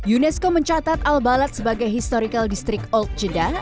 unesco mencatat al balad sebagai historical district old jeddah